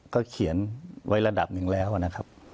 ก็เขียนไว้ระดับหนึ่งแล้วนะครับ